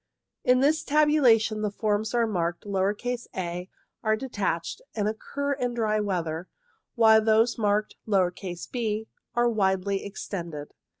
In this tabulation the forms marked (a) are detached and occur in dry weather, while those marked (d) are widely extended.